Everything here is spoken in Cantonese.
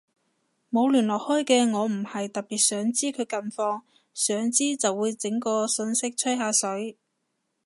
冇聯絡開嘅我都唔係特別想知佢近況，想知就會整個訊息吹下水